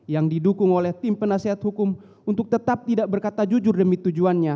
yang didukung oleh tim penasehat hukum untuk tetap tidak berkata jujur demi tujuannya